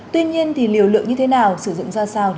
tuy nhiên thì liều lượng như thế nào sử dụng ra sao